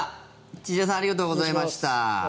千々岩さんありがとうございました。